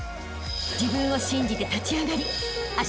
［自分を信じて立ち上がりあしたへ